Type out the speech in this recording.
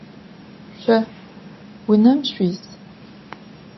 Şso vunem şsuis?